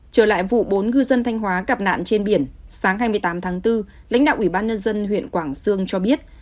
trở lại vụ bốn ngư dân thanh hóa gặp nạn trên biển sáng hai mươi tám tháng bốn lãnh đạo ủy ban nhân dân huyện quảng sương cho biết